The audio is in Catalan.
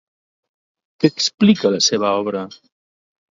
Què explica la seva obra?